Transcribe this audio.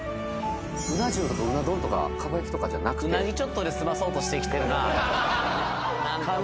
うな重とかうな丼とかかば焼きとかじゃなくてうなぎちょっとで済まそうとしてきてるなははは